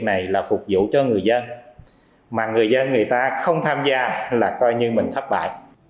nếu người ta không tham gia là coi như mình thất bại